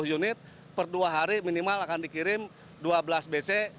satu unit per dua hari minimal akan dikirim dua belas bc